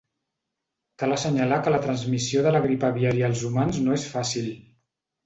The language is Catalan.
Cal assenyalar que la transmissió de la grip aviària als humans no és fàcil.